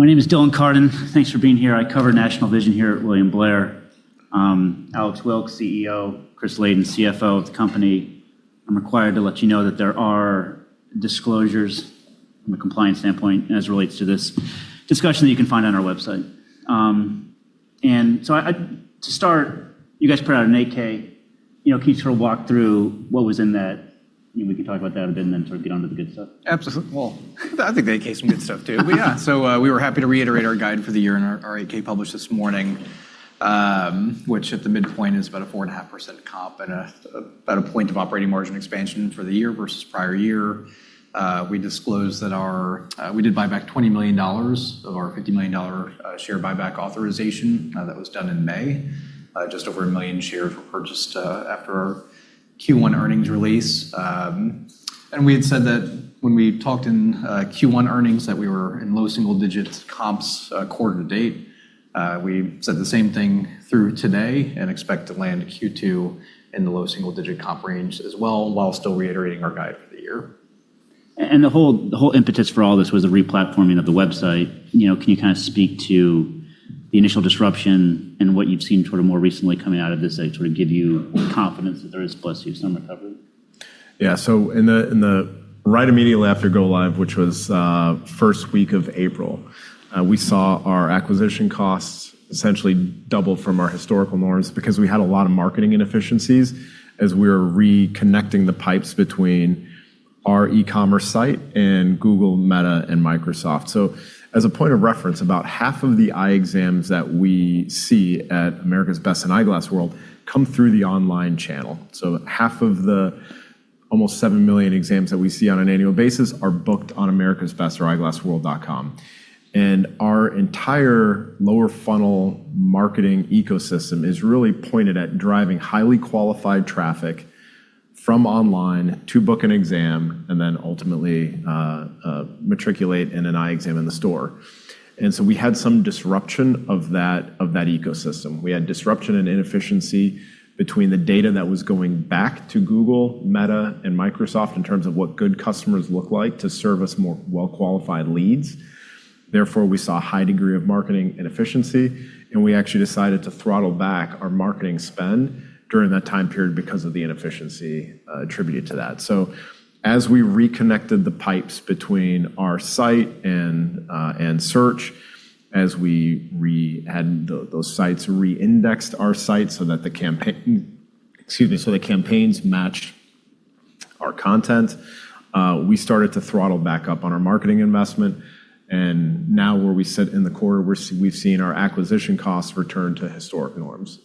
My name is Dylan Carden. Thanks for being here. I cover National Vision here at William Blair. Alex Wilkes, CEO, Chris Laden, CFO of the company. I'm required to let you know that there are disclosures from a compliance standpoint as relates to this discussion that you can find on our website. To start, you guys put out an 8-K. Can you sort of walk through what was in that? We can talk about that a bit and then sort of get onto the good stuff. Absolutely. Well, I think the 8-K is some good stuff too. Yeah. We were happy to reiterate our guide for the year in our 8-K published this morning, which at the midpoint is about a 4.5% comp and about a point of operating margin expansion for the year versus prior year. We disclosed that we did buy back $20 million of our $50 million share buyback authorization. That was done in May. Just over a million shares were purchased after our Q1 earnings release. We had said that when we talked in Q1 earnings that we were in low single-digit comps quarter to date. We said the same thing through today and expect to land Q2 in the low single-digit comp range as well, while still reiterating our guide for the year. The whole impetus for all this was the replatforming of the website. Can you speak to the initial disruption and what you've seen more recently coming out of this that sort of give you confidence that there is, bless you, some recovery? Right immediately after go live, which was the first week of April, we saw our acquisition costs essentially double from our historical norms because we had a lot of marketing inefficiencies as we were reconnecting the pipes between our e-commerce site and Google, Meta, and Microsoft. As a point of reference, about half of the eye exams that we see at America's Best and Eyeglass World come through the online channel. Half of the almost 7 million exams that we see on an annual basis are booked on America's Best or eyeglassworld.com. Our entire lower funnel marketing ecosystem is really pointed at driving highly qualified traffic from online to book an exam and then ultimately matriculate in an eye exam in the store. We had some disruption of that ecosystem. We had disruption and inefficiency between the data that was going back to Google, Meta, and Microsoft in terms of what good customers look like to serve us more well-qualified leads. We saw a high degree of marketing inefficiency, and we actually decided to throttle back our marketing spend during that time period because of the inefficiency attributed to that. As we reconnected the pipes between our site and search, as we re-indexed our site so the campaigns matched our content, we started to throttle back up on our marketing investment. Now where we sit in the quarter, we've seen our acquisition costs return to historic norms.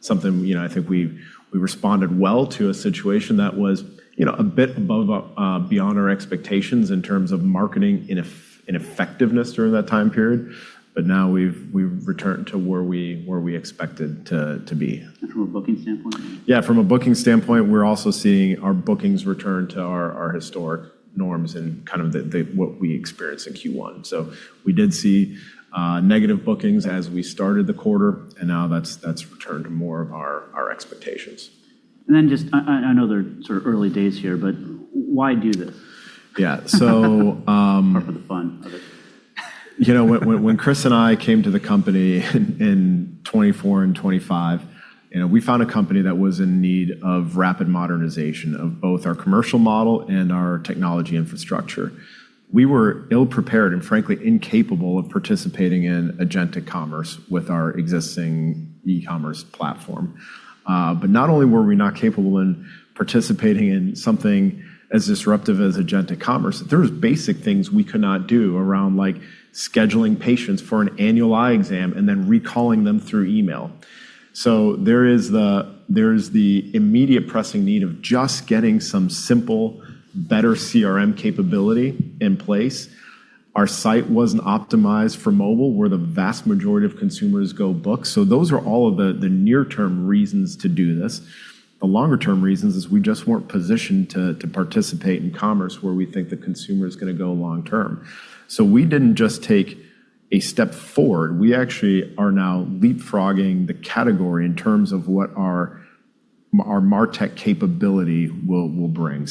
Something I think we responded well to a situation that was a bit beyond our expectations in terms of marketing ineffectiveness during that time period. Now we've returned to where we expected to be. From a booking standpoint? Yeah, from a booking standpoint, we're also seeing our bookings return to our historic norms and kind of what we experienced in Q1. We did see negative bookings as we started the quarter, and now that's returned to more of our expectations. Just, I know they're sort of early days here, but why do this? Yeah... Apart from the fun of it. When Chris and I came to the company in 2024 and 2025, we found a company that was in need of rapid modernization of both our commercial model and our technology infrastructure. We were ill-prepared, and frankly, incapable of participating in agentic commerce with our existing e-commerce platform. Not only were we not capable in participating in something as disruptive as agentic commerce, there was basic things we could not do around scheduling patients for an annual eye exam and then recalling them through email. There's the immediate pressing need of just getting some simple, better CRM capability in place. Our site wasn't optimized for mobile, where the vast majority of consumers go book. Those are all of the near-term reasons to do this. The longer-term reasons is we just weren't positioned to participate in commerce where we think the consumer is going to go long-term. We didn't just take a step forward. We actually are now leapfrogging the category in terms of what our martech capability will bring.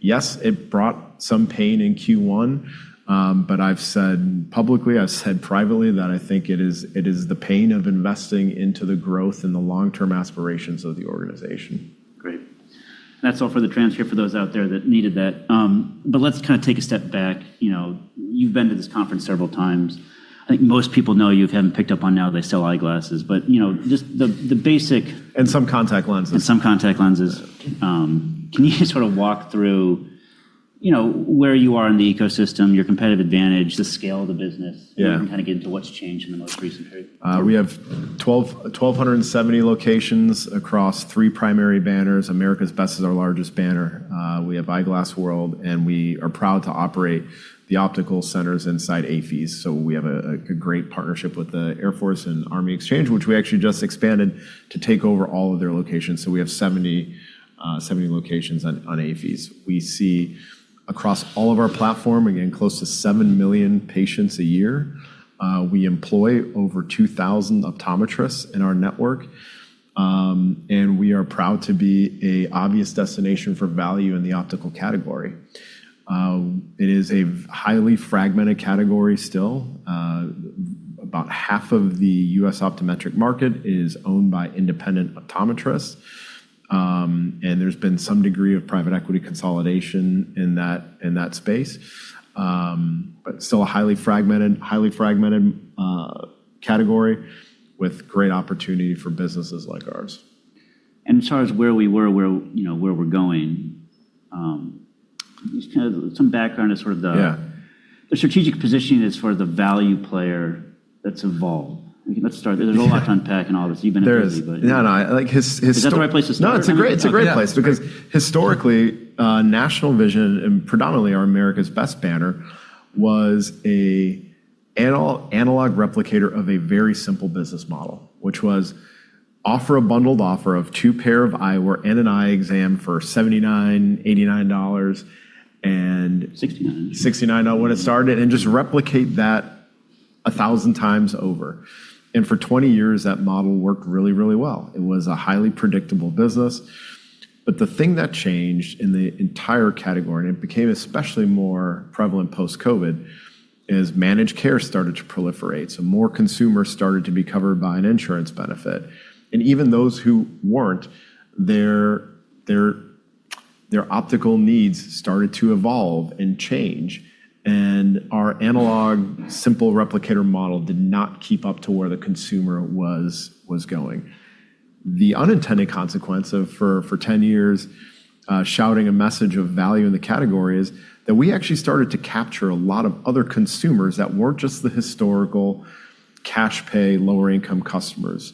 Yes, it brought some pain in Q1, but I've said publicly, I've said privately that I think it is the pain of investing into the growth and the long-term aspirations of the organization. Great. That's all for the transcript for those out there that needed that. Let's take a step back. You've been to this conference several times. I think most people know you if they haven't picked up on now they sell eyeglasses and the basic... Some contact lenses. Some contact lenses. Can you sort of walk through where you are in the ecosystem, your competitive advantage, the scale of the business Yeah. --kind of get into what's changed in the most recent period? We have 1,270 locations across three primary banners. America's Best is our largest banner. We have Eyeglass World. We are proud to operate the optical centers inside AAFES. We have a great partnership with the Air Force and Army Exchange, which we actually just expanded to take over all of their locations. We have 70 locations on AAFES. We see across all of our platform, again, close to seven million patients a year. We employ over 2,000 optometrists in our network. We are proud to be an obvious destination for value in the optical category. It is a highly fragmented category still. About half of the U.S. optometric market is owned by independent optometrists, and there's been some degree of private equity consolidation in that space. Still a highly fragmented category with great opportunity for businesses like ours. As far as where we were, where we're going, just some background. Yeah. The strategic positioning as far as the value player that's evolved. Let's start there. There's a lot to unpack in all this. You've been at it. There is. No, I like... Is that the right place to start? No, it's a great place because historically, National Vision, and predominantly our America's Best banner, was an analog replicator of a very simple business model, which was offer a bundled offer of two pair of eyewear and an eye exam for $79, $89... $69. $69 when it started, and just replicate that 1,000x over. For 20 years, that model worked really, really well. It was a highly predictable business. The thing that changed in the entire category, and it became especially more prevalent post-COVID, is managed care started to proliferate. More consumers started to be covered by an insurance benefit. Even those who weren't, their optical needs started to evolve and change, and our analog simple replicator model did not keep up to where the consumer was going. The unintended consequence of, for 10 years, shouting a message of value in the category is that we actually started to capture a lot of other consumers that weren't just the historical cash pay, lower income customers.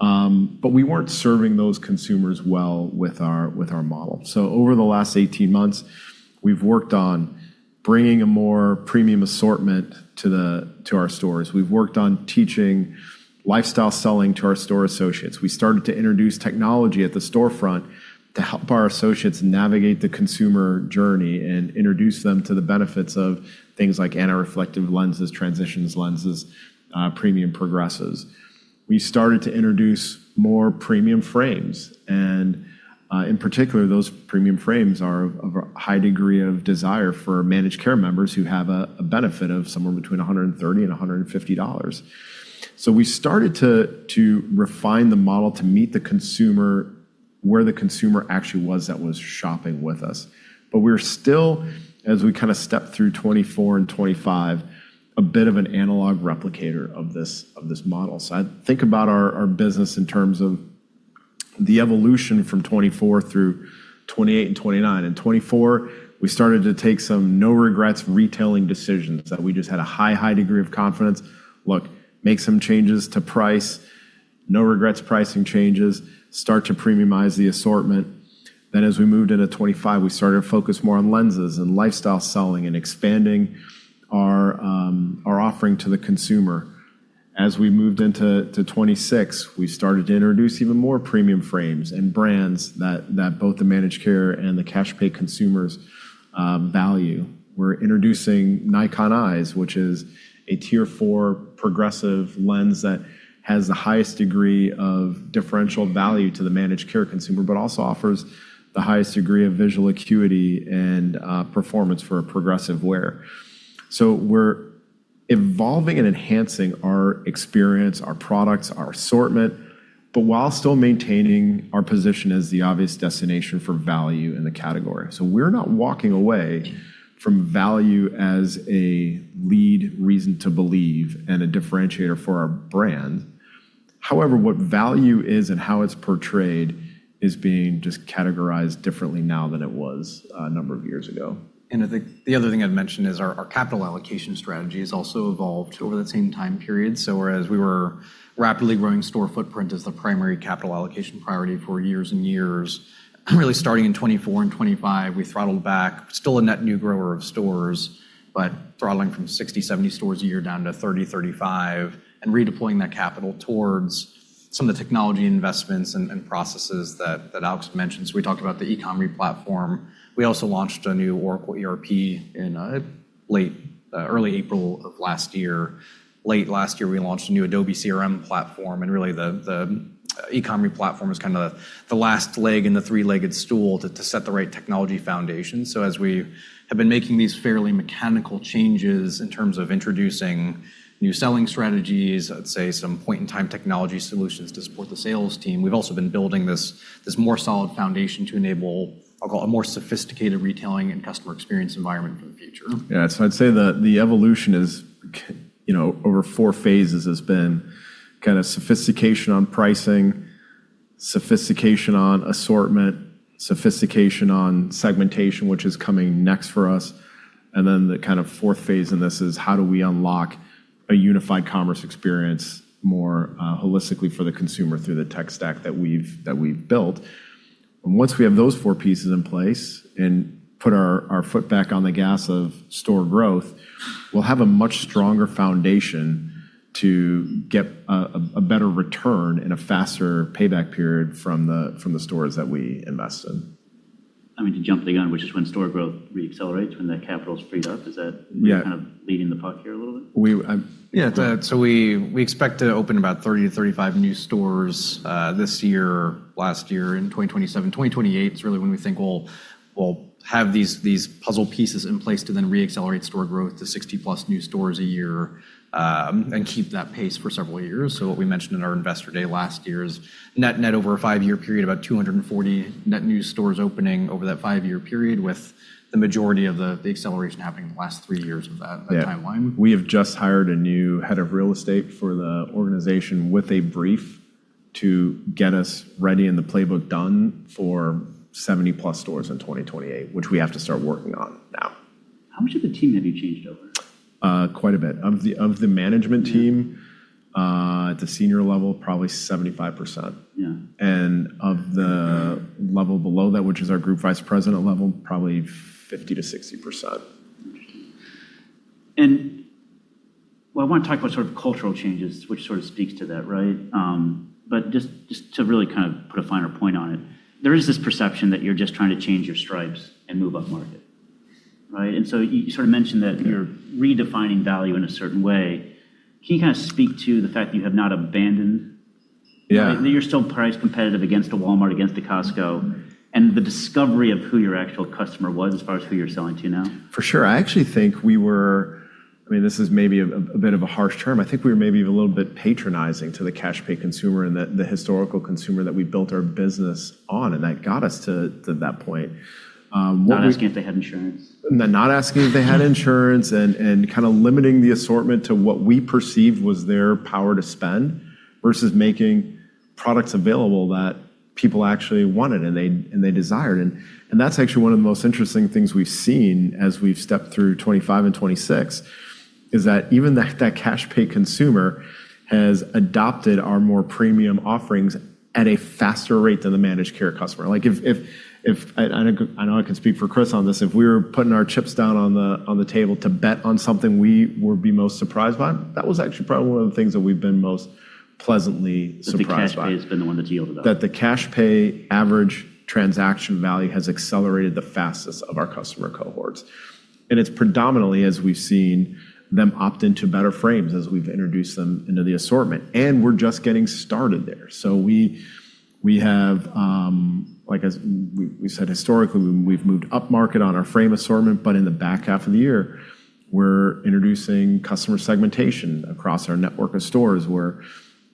We weren't serving those consumers well with our model. Over the last 18 months, we've worked on bringing a more premium assortment to our stores. We've worked on teaching lifestyle selling to our store associates. We started to introduce technology at the storefront to help our associates navigate the consumer journey and introduce them to the benefits of things like anti-reflective lenses, Transitions lenses, premium progressives. We started to introduce more premium frames, and in particular, those premium frames are of a high degree of desire for managed care members who have a benefit of somewhere between $130 and $150. We started to refine the model to meet where the consumer actually was that was shopping with us. We're still, as we step through 2024 and 2025, a bit of an analog replicator of this model. I think about our business in terms of the evolution from 2024 through 2028 and 2029. In 2024, we started to take some no-regrets retailing decisions that we just had a high degree of confidence. Look, make some changes to price, no regrets pricing changes, start to premiumize the assortment. As we moved into 2025, we started to focus more on lenses and lifestyle selling and expanding our offering to the consumer. As we moved into 2026, we started to introduce even more premium frames and brands that both the managed care and the cash pay consumers value. We're introducing Nikon Eyes, which is a tier 4 progressive lens that has the highest degree of differential value to the managed care consumer, but also offers the highest degree of visual acuity and performance for a progressive wear. We're evolving and enhancing our experience, our products, our assortment, but while still maintaining our position as the obvious destination for value in the category. We're not walking away from value as a lead reason to believe and a differentiator for our brand. However, what value is and how it's portrayed is being just categorized differently now than it was a number of years ago. I think the other thing I'd mention is our capital allocation strategy has also evolved over that same time period. Whereas we were rapidly growing store footprint as the primary capital allocation priority for years and years, really starting in 2024 and 2025, we throttled back. Still a net new grower of stores, but throttling from 60-70 stores a year down to 30-35, and redeploying that capital towards some of the technology investments and processes that Alex mentioned. We talked about the e-commerce platform. We also launched a new Oracle ERP in early April of last year. Late last year, we launched a new Adobe CRM platform, and really the e-commerce platform is the last leg in the three-legged stool to set the right technology foundation. As we have been making these fairly mechanical changes in terms of introducing new selling strategies, I'd say some point-in-time technology solutions to support the sales team, we've also been building this more solid foundation to enable, I'll call it, a more sophisticated retailing and customer experience environment for the future. Yeah. I'd say that the evolution over four phases has been sophistication on pricing, sophistication on assortment, sophistication on segmentation, which is coming next for us, then the fourth phase in this is how do we unlock a unified commerce experience more holistically for the consumer through the tech stack that we've built. Once we have those four pieces in place and put our foot back on the gas of store growth, we'll have a much stronger foundation to get a better return and a faster payback period from the stores that we invest in. I mean, to jump the gun, which is when store growth re-accelerates, when that capital's freed up, is that Yeah. --kind of leading the puck here a little bit? Yeah. We expect to open about 30-35 new stores this year, last year, in 2027. 2028 is really when we think we'll have these puzzle pieces in place to then re-accelerate store growth to 60+ new stores a year, and keep that pace for several years. What we mentioned in our investor day last year is net over a five-year period, about 240 net new stores opening over that five-year period, with the majority of the acceleration happening in the last three years of that timeline. Yeah. We have just hired a new head of real estate for the organization with a brief to get us ready and the playbook done for 70+ stores in 2028, which we have to start working on now. How much of the team have you changed over? Quite a bit Yeah. --of the management team at the senior level, probably 75%. Yeah. Of the level below that, which is our group vice president level, probably 50%-60%. Interesting. Well, I want to talk about cultural changes, which sort of speaks to that, right? Just to really put a finer point on it, there is this perception that you're just trying to change your stripes and move upmarket. Right? You sort of mentioned that you're redefining value in a certain way. Can you speak to the fact you have not abandoned Yeah. --that you're still priced competitive against a Walmart, against a Costco, and the discovery of who your actual customer was as far as who you're selling to now? For sure. I actually think we were, this is maybe a bit of a harsh term, maybe even a little bit patronizing to the cash pay consumer and the historical consumer that we built our business on, and that got us to that point... Not asking if they had insurance. Not asking if they had insurance and limiting the assortment to what we perceived was their power to spend, versus making products available that people actually wanted and they desired. That's actually one of the most interesting things we've seen as we've stepped through 2025 and 2026, is that even that cash pay consumer has adopted our more premium offerings at a faster rate than the managed care customer. I know I can speak for Chris on this. If we were putting our chips down on the table to bet on something we would be most surprised by, that was actually probably one of the things that we've been most pleasantly surprised by... That the cash pay has been the one that's yielded up. That the cash pay average transaction value has accelerated the fastest of our customer cohorts. It's predominantly, as we've seen them opt into better frames as we've introduced them into the assortment, and we're just getting started there. We have, like as we said historically, we've moved upmarket on our frame assortment, but in the back half of the year, we're introducing customer segmentation across our network of stores, where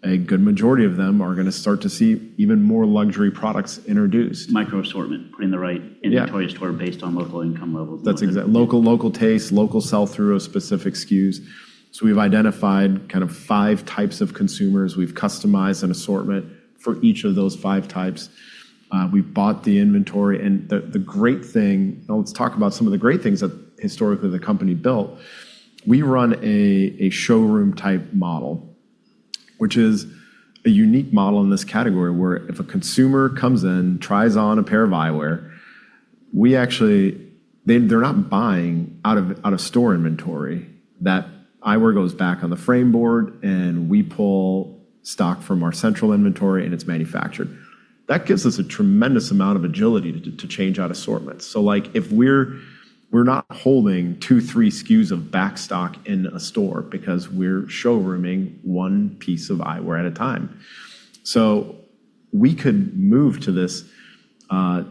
a good majority of them are going to start to see even more luxury products introduced. Micro assortment Yeah. --inventory store based on local income levels. That's exact. Local taste, local sell-through of specific SKUs. We've identified 5 types of consumers. We've customized an assortment for each of those 5 types. We've bought the inventory, and the great thing, now let's talk about some of the great things that historically the company built. We run a showroom-type model, which is a unique model in this category, where if a consumer comes in, tries on a pair of eyewear, they're not buying out of store inventory. That eyewear goes back on the frame board, and we pull stock from our central inventory, and it's manufactured. That gives us a tremendous amount of agility to change out assortments. We're not holding two, three SKUs of backstock in a store because we're showrooming one piece of eyewear at a time. We could move to this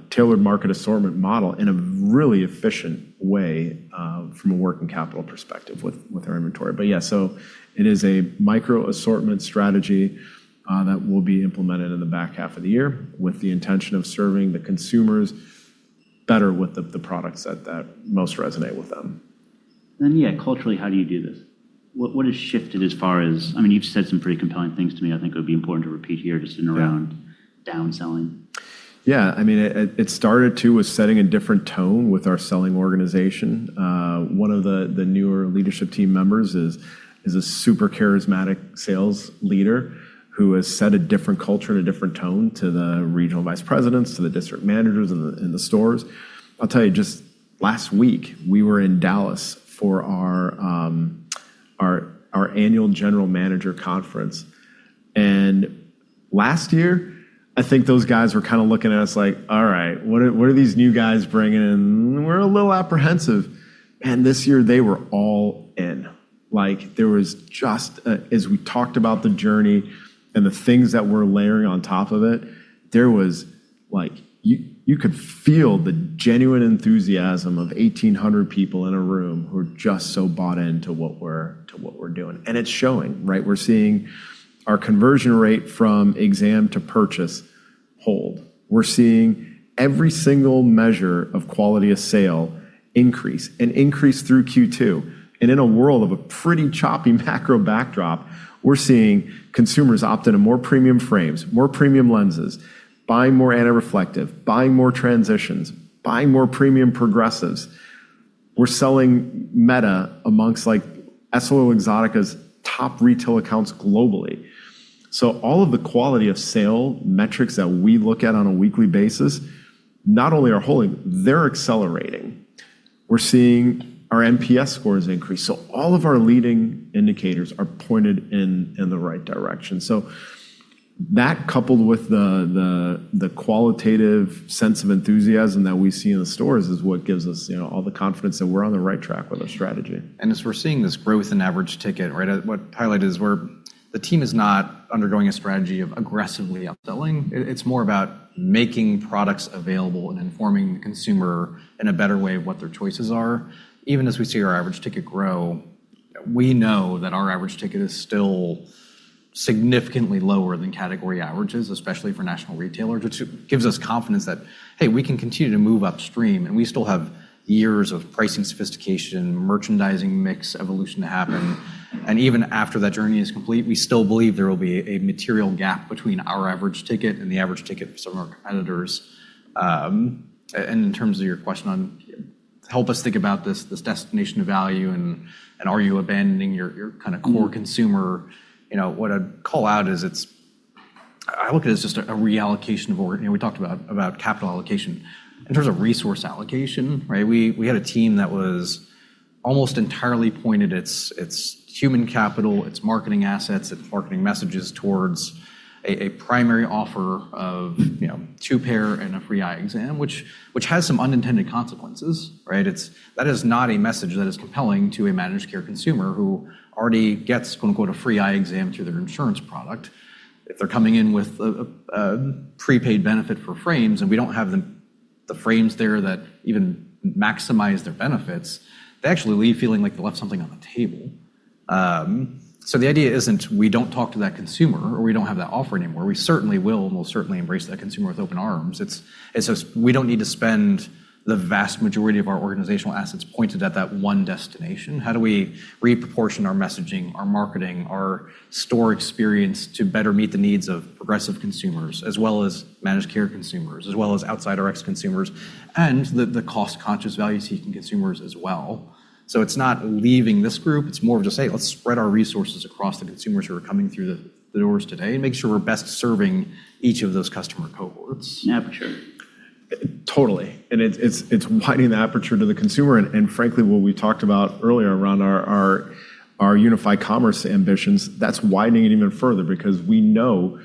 tailored market assortment model in a really efficient way, from a working capital perspective with our inventory. Yeah, it is a micro assortment strategy, that will be implemented in the back half of the year with the intention of serving the consumers better with the products that most resonate with them. Yeah, culturally, how do you do this? What has shifted as far as, you've said some pretty compelling things to me, I think it would be important to repeat here Yeah. --downselling. Yeah. It started too with setting a different tone with our selling organization. One of the newer leadership team members is a super charismatic sales leader who has set a different culture and a different tone to the regional vice presidents, to the district managers in the stores. I'll tell you, just last week, we were in Dallas for our annual general manager conference. Last year, I think those guys were kind of looking at us like, "All right. What are these new guys bringing in? We're a little apprehensive." This year they were all in. As we talked about the journey and the things that we're layering on top of it, you could feel the genuine enthusiasm of 1,800 people in a room who are just so bought in to what we're doing. It's showing, right? We're seeing our conversion rate from exam to purchase hold. We're seeing every single measure of quality of sale increase through Q2. In a world of a pretty choppy macro backdrop, we're seeing consumers opt into more premium frames, more premium lenses, buying more anti-reflective, buying more Transitions, buying more premium progressives. We're selling Meta amongst EssilorLuxottica's top retail accounts globally. All of the quality of sale metrics that we look at on a weekly basis, not only are holding, they're accelerating. We're seeing our NPS scores increase. All of our leading indicators are pointed in the right direction. That, coupled with the qualitative sense of enthusiasm that we see in the stores, is what gives us all the confidence that we're on the right track with our strategy. As we're seeing this growth in average ticket, right, what highlighted is where the team is not undergoing a strategy of aggressively upselling. It's more about making products available and informing the consumer in a better way of what their choices are. Even as we see our average ticket grow, we know that our average ticket is still significantly lower than category averages, especially for national retailers, which gives us confidence that, hey, we can continue to move upstream and we still have years of pricing sophistication, merchandising mix evolution to happen. Even after that journey is complete, we still believe there will be a material gap between our average ticket and the average ticket for some of our competitors. In terms of your question on help us think about this destination of value and are you abandoning your kind of core consumer? What I'd call out is I look at it as just a reallocation of org. We talked about capital allocation. In terms of resource allocation, right, we had a team that was almost entirely pointed its human capital, its marketing assets, its marketing messages towards a primary offer of two pair and a free eye exam, which has some unintended consequences, right? That is not a message that is compelling to a managed care consumer who already gets "a free eye exam" through their insurance product. If they're coming in with a prepaid benefit for frames and we don't have the frames there that even maximize their benefits, they actually leave feeling like they left something on the table. The idea isn't we don't talk to that consumer or we don't have that offer anymore. We certainly will, and we'll certainly embrace that consumer with open arms. It's just we don't need to spend the vast majority of our organizational assets pointed at that one destination. How do we reproportion our messaging, our marketing, our store experience to better meet the needs of progressive consumers as well as managed care consumers, as well as outside Rx consumers and the cost-conscious, value-seeking consumers as well? It's not leaving this group. It's more of just, hey, let's spread our resources across the consumers who are coming through the doors today and make sure we're best serving each of those customer cohorts. Aperture. Totally. It's widening the aperture to the consumer, and frankly, what we talked about earlier around our unified commerce ambitions, that's widening it even further because we know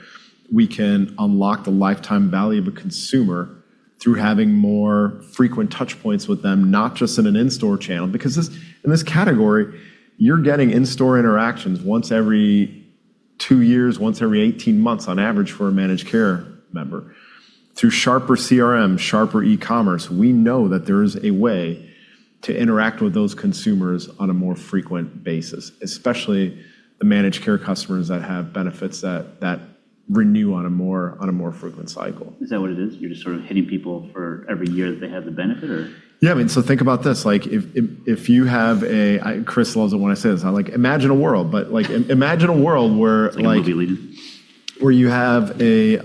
we can unlock the lifetime value of a consumer through having more frequent touch points with them, not just in an in-store channel. In this category, you're getting in-store interactions once every two years, once every 18 months on average for a managed care member. Through sharper CRM, sharper e-commerce, we know that there is a way to interact with those consumers on a more frequent basis, especially the managed care customers that have benefits that renew on a more frequent cycle. Is that what it is? You're just sort of hitting people for every year that they have the benefit, or? Yeah, I mean, think about this. Chris loves it when I say this. I'm like, imagine a world where [inaudible] --where you have a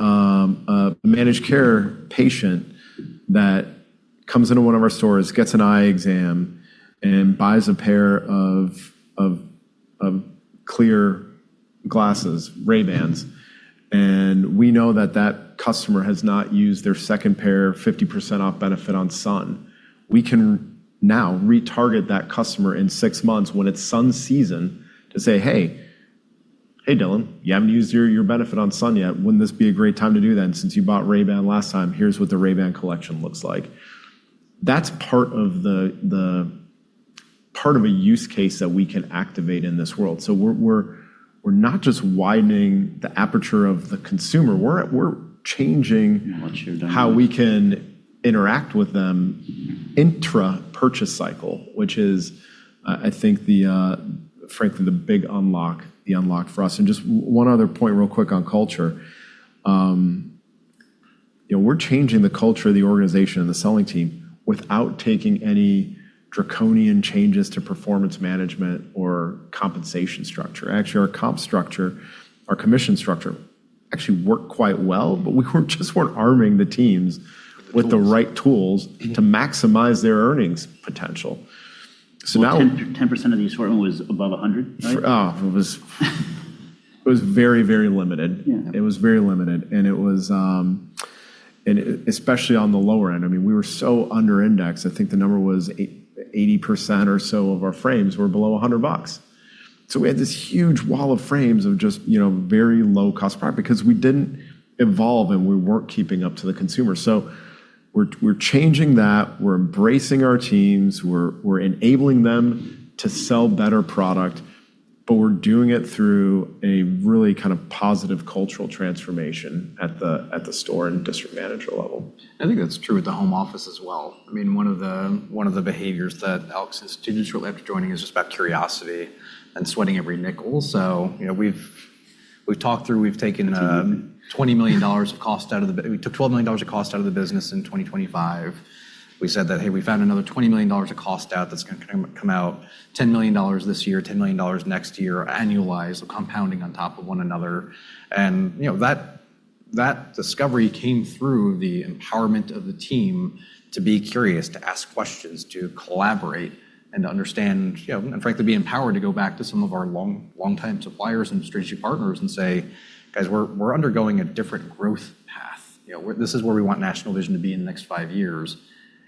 managed care patient that comes into one of our stores, gets an eye exam, and buys a pair of clear glasses, Ray-Bans. We know that that customer has not used their second pair 50% off benefit on sun. We can now retarget that customer in six months when it's sun season to say, "Hey. Hey, Dylan, you haven't used your benefit on sun yet. Wouldn't this be a great time to do that since you bought Ray-Ban last time? Here's what the Ray-Ban collection looks like." That's part of a use case that we can activate in this world. We're not just widening the aperture of the consumer. We're changing [inaudible] --how we can interact with them intra purchase cycle, which is, I think, frankly, the big unlock for us. Just one other point real quick on culture. We're changing the culture of the organization and the selling team without taking any draconian changes to performance management or compensation structure. Actually, our comp structure, our commission structure actually worked quite well, but we just weren't arming the teams [inaudible] --with the right tools to maximize their earnings potential. 10% of the assortment was above $100, right? Oh, it was very, very limited. Yeah. It was very limited. It was especially on the lower end. We were so under index. I think the number was 80% or so of our frames were below $100. We had this huge wall of frames of just very low cost product because we didn't evolve, and we weren't keeping up to the consumer. We're changing that. We're embracing our teams. We're enabling them to sell better product, but we're doing it through a really kind of positive cultural transformation at the store and district manager level. I think that's true at the home office as well. One of the behaviors that Alex instituted shortly after joining is just about curiosity and sweating every nickel. We [inaudible] --we took $12 million of cost out of the business in 2025. We said that, hey, we found another $20 million of cost out that's going to come out, $10 million this year, $10 million next year, annualized, compounding on top of one another. That discovery came through the empowerment of the team to be curious, to ask questions, to collaborate and to understand, and frankly, be empowered to go back to some of our longtime suppliers and strategic partners and say, "Guys, we're undergoing a different growth path. This is where we want National Vision to be in the next five years.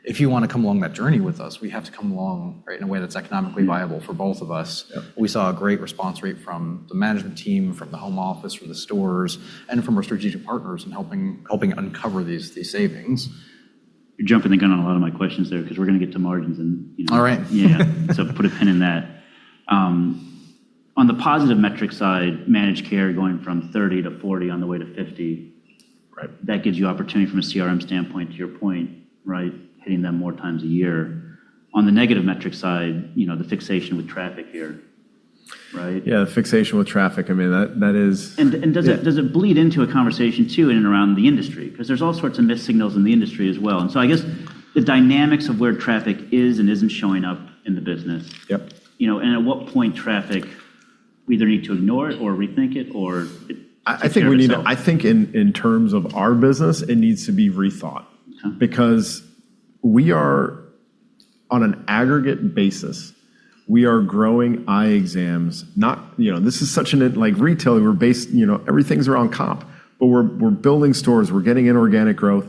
If you want to come along that journey with us, we have to come along in a way that's economically viable for both of us. Yep. We saw a great response rate from the management team, from the home office, from the stores, and from our strategic partners in helping uncover these savings. You're jumping the gun on a lot of my questions there because we're going to get to margins. All right. Yeah. Put a pin in that. On the positive metric side, managed care going from 30% to 40% on the way to 50%. Right. That gives you opportunity from a CRM standpoint to your point, right, hitting them more times a year. On the negative metric side, the fixation with traffic here, right? Yeah, the fixation with traffic. I mean, that is... Does it bleed into a conversation too in and around the industry? Because there's all sorts of mixed signals in the industry as well. I guess the dynamics of where traffic is and isn't showing up in the business. Yep. At what point traffic, we either need to ignore it or rethink it, or it takes care of itself... I think in terms of our business, it needs to be rethought. Okay. On an aggregate basis, we are growing eye exams. This is such an, like retail, everything's around comp. We're building stores, we're getting inorganic growth.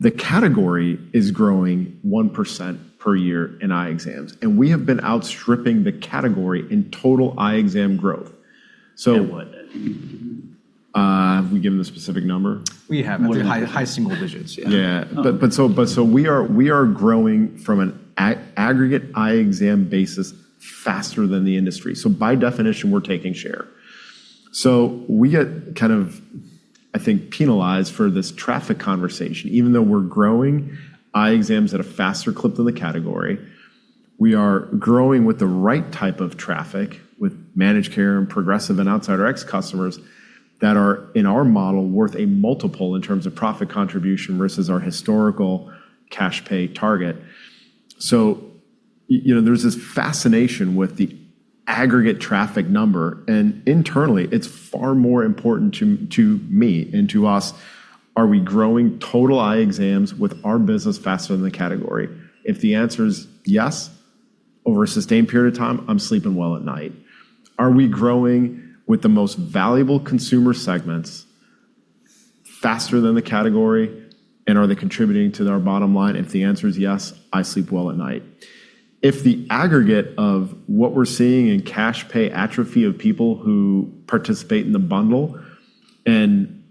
The category is growing 1% per year in eye exams, and we have been outstripping the category in total eye exam growth... At what? Have we given the specific number? We haven't. I wouldn't... High single-digits, yeah. Yeah. We are growing from an aggregate eye exam basis faster than the industry. By definition, we're taking share. We get, I think, penalized for this traffic conversation, even though we're growing eye exams at a faster clip than the category. We are growing with the right type of traffic with managed care and progressive and outside Rx customers that are, in our model, worth a multiple in terms of profit contribution versus our historical cash pay target. There's this fascination with the aggregate traffic number, and internally, it's far more important to me and to us. Are we growing total eye exams with our business faster than the category? If the answer is yes, over a sustained period of time, I'm sleeping well at night. Are we growing with the most valuable consumer segments faster than the category, and are they contributing to our bottom line? If the answer is yes, I sleep well at night. If the aggregate of what we're seeing in cash pay atrophy of people who participate in the bundle, and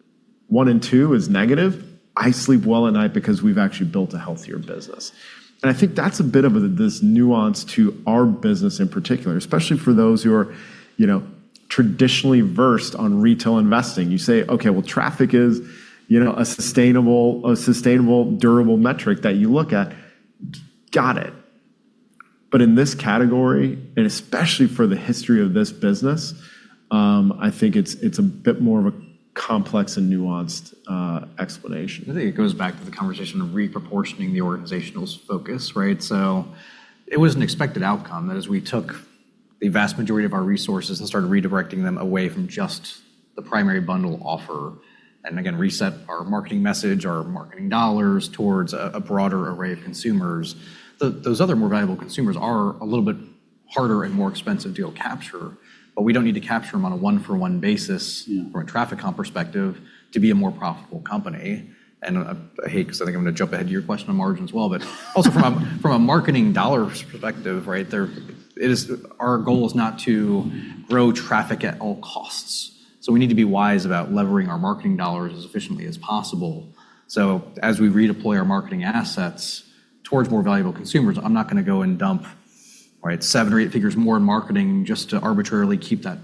Q1 and Q2 is negative, I sleep well at night because we've actually built a healthier business. I think that's a bit of this nuance to our business in particular, especially for those who are traditionally versed on retail investing. You say, "Okay, well, traffic is a sustainable, durable metric that you look at." Got it. In this category, and especially for the history of this business, I think it's a bit more of a complex and nuanced explanation. I think it goes back to the conversation of reproportioning the organizational's focus, right? It was an expected outcome that as we took the vast majority of our resources and started redirecting them away from just the primary bundle offer, and again, reset our marketing message, our marketing dollars towards a broader array of consumers. Those other more valuable consumers are a little bit harder and more expensive to capture, but we don't need to capture them on a one-for-one basis. Yeah. from a traffic comp perspective to be a more profitable company. I hate because I think I'm going to jump ahead to your question on margins well, also from a marketing dollars perspective, our goal is not to grow traffic at all costs. We need to be wise about levering our marketing dollars as efficiently as possible. As we redeploy our marketing assets towards more valuable consumers, I'm not going to go and dump seven or eight figures more in marketing just to arbitrarily keep that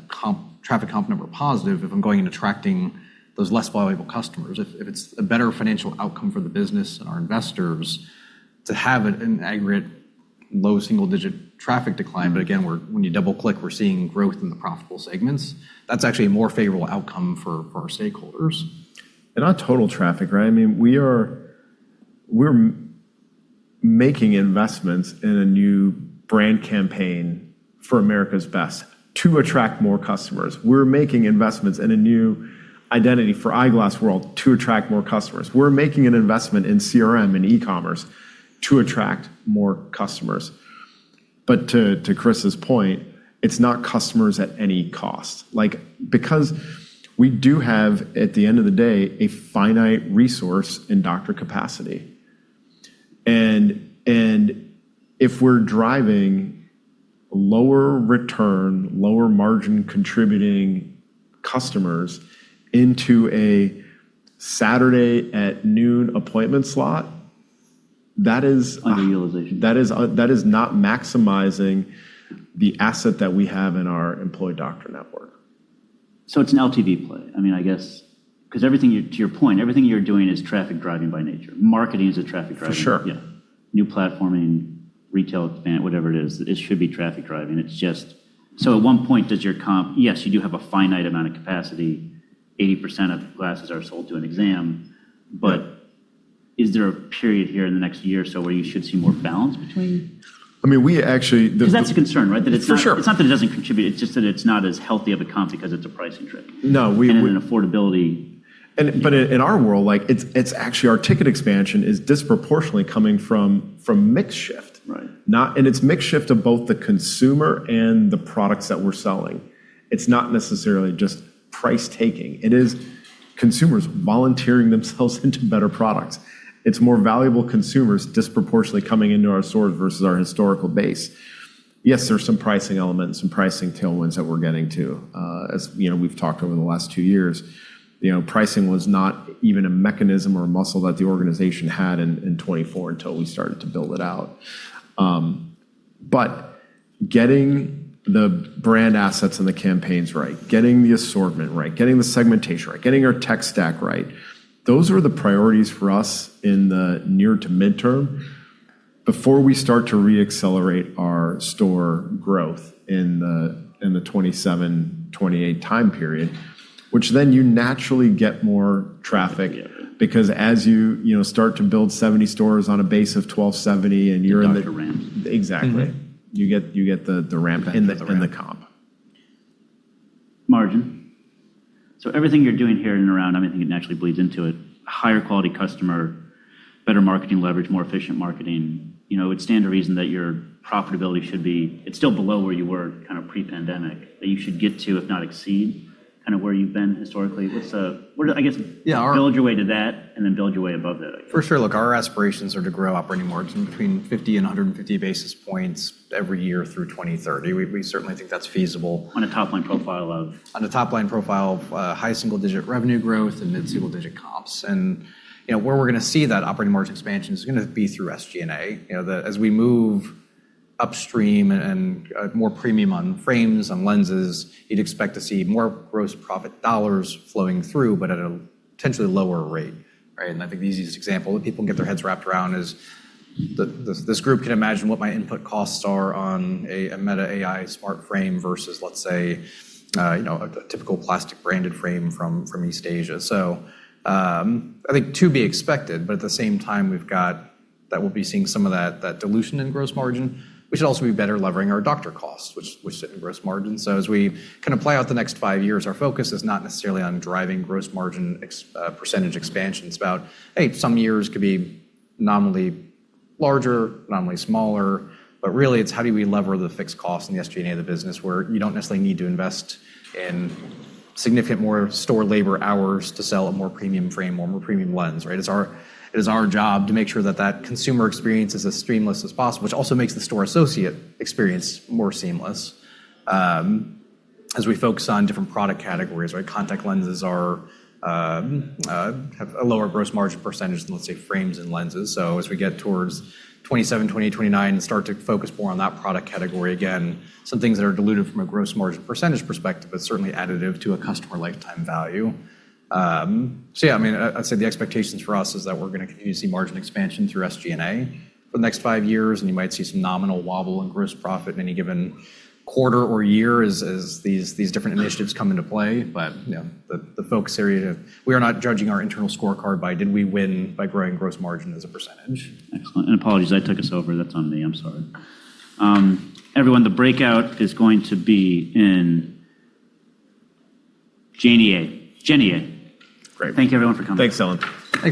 traffic comp number positive if I'm going and attracting those less valuable customers. If it's a better financial outcome for the business and our investors to have an aggregate low single-digit traffic decline. Again, when you double-click, we're seeing growth in the profitable segments. That's actually a more favorable outcome for our stakeholders. Not total traffic, right? We're making investments in a new brand campaign for America's Best to attract more customers. We're making investments in a new identity for Eyeglass World to attract more customers. We're making an investment in CRM and e-commerce to attract more customers. To Chris's point, it's not customers at any cost. We do have, at the end of the day, a finite resource in doctor capacity. If we're driving lower return, lower margin contributing customers into a Saturday at noon appointment slot, that is Underutilization. --that is not maximizing the asset that we have in our employed doctor network. It's an LTV play. Because to your point, everything you're doing is traffic driving by nature. Marketing is a traffic driver. For sure. Yeah. New platforming, retail expand, whatever it is, it should be traffic driving. At what point does your comp? Yes, you do have a finite amount of capacity. 80% of glasses are sold to an exam. Is there a period here in the next year or so where you should see more balance between? I mean... That's a concern, right? For sure. It's not that it doesn't contribute, it's just that it's not as healthy of a comp because it's a pricing trip. No... An affordability. In our world, it's actually our ticket expansion is disproportionately coming from mix shift. Right. It's mix shift of both the consumer and the products that we're selling. It's not necessarily just price taking. It is consumers volunteering themselves into better products. It's more valuable consumers disproportionately coming into our stores versus our historical base. Yes, there's some pricing elements and pricing tailwinds that we're getting to. As we've talked over the last two years, pricing was not even a mechanism or a muscle that the organization had in 2024 until we started to build it out. Getting the brand assets and the campaigns right, getting the assortment right, getting the segmentation right, getting our tech stack right, those are the priorities for us in the near to midterm before we start to re-accelerate our store growth in the 2027, 2028 time period, which then you naturally get more traffic because as you start to build 70 stores on a base of 1,270... You got your ramp. Exactly. You get the ramp in the comp. Margin. Everything you're doing here and around, I think it naturally bleeds into it. Higher quality customer, better marketing leverage, more efficient marketing. It would stand to reason that your profitability should be. It's still below where you were pre-pandemic, that you should get to, if not exceed, where you've been historically. Yeah. Build your way to that, and then build your way above that, I guess. For sure. Look, our aspirations are to grow operating margin between 50 and 150 basis points every year through 2030. We certainly think that's feasible. On a top-line profile of? On a top-line profile of high single-digit revenue growth and mid-single digit comps. Where we're going to see that operating margin expansion is going to be through SG&A. As we move upstream and more premium on frames, on lenses, you'd expect to see more gross profit dollars flowing through, but at a potentially lower rate, right? I think the easiest example that people can get their heads wrapped around is this group can imagine what my input costs are on a Ray-Ban Meta smart glasses versus, let's say, a typical plastic branded frame from East Asia. I think to be expected, but at the same time, we've got that we'll be seeing some of that dilution in gross margin. We should also be better levering our doctor costs, which sit in gross margin. As we kind of play out the next five years, our focus is not necessarily on driving gross margin percentage expansion. It's about, hey, some years could be nominally larger, nominally smaller, but really, it's how do we lever the fixed cost and the SG&A of the business where you don't necessarily need to invest in significant more store labor hours to sell a more premium frame or more premium lens, right? It is our job to make sure that that consumer experience is as seamless as possible, which also makes the store associate experience more seamless, as we focus on different product categories, right? Contact lenses have a lower gross margin percentage than, let's say, frames and lenses. As we get towards 2027, 2028, 2029, and start to focus more on that product category, again, some things that are diluted from a gross margin percentage perspective, but certainly additive to a customer lifetime value. Yeah, I'd say the expectations for us is that we're going to continue to see margin expansion through SG&A for the next five years, and you might see some nominal wobble in gross profit in any given quarter or year as these different initiatives come into play. The focus area, we are not judging our internal scorecard by did we win by growing gross margin as a percentage. Excellent, and apologies, I took us over. That's on me, I'm sorry. Everyone, the breakout is going to be in Janie A. Jenny A. Great Thank you everyone for coming. Thanks, Dylan. --thanks.